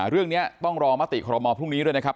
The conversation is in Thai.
เรื่องนี้ต้องรอมติคอรมอลพรุ่งนี้ด้วยนะครับ